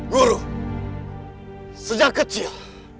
guru sejak kecil